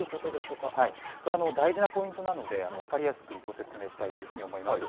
これは大事なポイントなので、分かりやすくご説明したいというふうに思います。